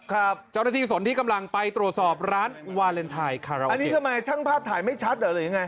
ครับเจ้าหน้าที่สนที่กำลังไปตรวจสอบร้านวาเลนไทยครับอันนี้ทำไมช่างภาพถ่ายไม่ชัดเหรอหรือยังไง